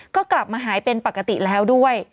ก็กลับมาหายเป็นปกติแล้วด้วย